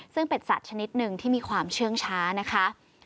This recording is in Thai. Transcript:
ซึ่งเป็นสัตว์ชนิดหนึ่งที่มีความเชื่องช้านะคะ